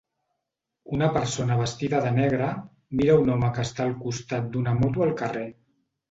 Una persona vestida de negre mira un home que està al costat d'una moto al carrer.